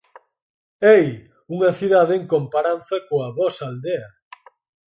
“Ei! Unha cidade en comparanza coa vosa aldea.